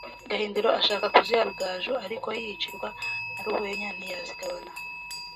Gahindiro ashaka kuziha Rugaju ariko yicirwa na Ruhwenya ntiyazigabana